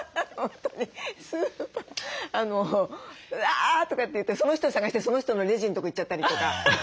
「あ」とか言ってその人を探してその人のレジのとこ行っちゃったりとか。